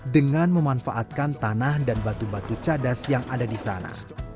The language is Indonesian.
dengan memanfaatkan tanah dan batu batu cadas yang ada di sana